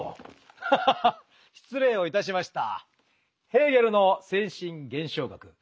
ハハハ失礼をいたしました。